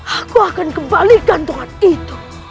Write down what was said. aku akan kembalikan tuhan itu